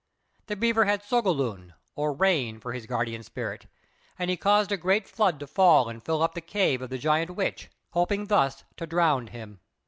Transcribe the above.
The Beaver had "Sogalūn," or Rain, for his guardian spirit, and he caused a great flood to fall and fill up the cave of the Giant Witch, hoping thus to drown him.